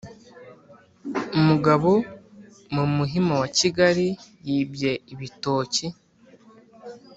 ! Umugabo mu Muhima wa Kigali yibye ibitoki